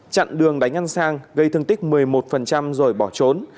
chặn đường đánh anh sang gây thương tích một mươi một rồi bỏ trốn